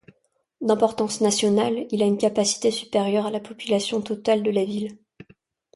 D’importance nationale, il a une capacité supérieure à la population totale de la ville.